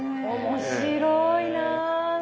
面白いな。